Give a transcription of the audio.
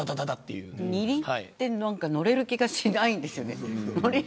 二輪に乗れる気がしないんですよね。